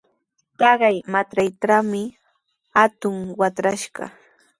Taqay matraytrawmi atuq watrashqa.